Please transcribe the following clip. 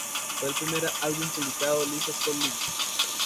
Fue el primer álbum publicado Lisa Scott-Lee.